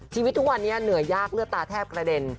ทุกวันนี้เหนื่อยยากเลือดตาแทบกระเด็น